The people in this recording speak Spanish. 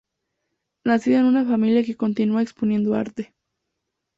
Nacida en una familia que continúa exponiendo arte.